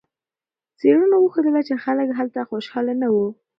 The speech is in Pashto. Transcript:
څېړنو وښودله چې خلک هلته خوشحاله نه وو.